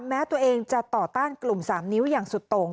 แม้ตัวเองจะต่อต้านกลุ่ม๓นิ้วอย่างสุดโต่ง